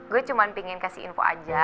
gue cuma pengen kasih info aja